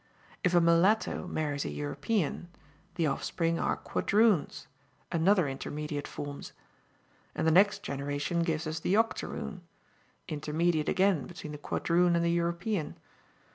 If a mulatto marries a European, the offspring are quadroons another intermediate form; and the next generation gives us the octoroon intermediate again between the quadroon and the European.